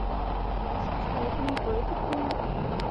Společnost nerozumí politikům?